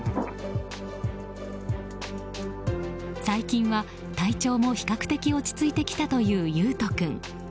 最近は、体調も比較的落ち着いてきたという維斗君。